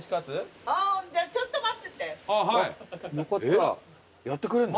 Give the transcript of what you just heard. えっやってくれんの？